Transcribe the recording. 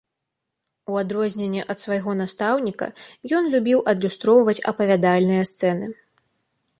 У адрозненне ад свайго настаўніка, ён любіў адлюстроўваць апавядальныя сцэны.